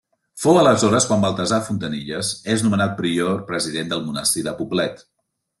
Fou aleshores quan Baltasar Fontanilles és nomenat Prior president del Monestir de Poblet.